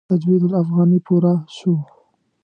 تجوید الافغاني پوره شو.